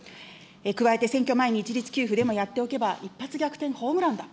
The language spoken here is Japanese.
加えて選挙前に一律給付でもやっておけば、一発逆転ホームランだ。